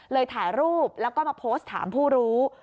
ถ่ายรูปแล้วก็มาโพสต์ถามผู้รู้